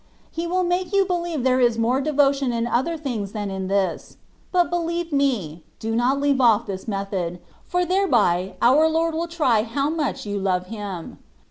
He will make you believe there is more devotion in other things than in this : but believe me, do not leave off this method, for thereby our Lord will try how much you love Him.